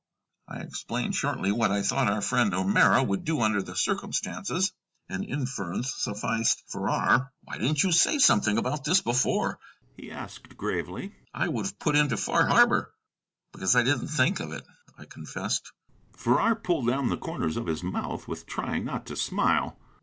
I explained shortly what I thought our friend, O'Meara, would do under the circumstances. An inference sufficed Farrar. "Why didn't you say something about this before?" he asked gravely. "I would have put into Far Harbor." "Because I didn't think of it," I confessed. Farrar pulled down the corners of his mouth with trying not to smile.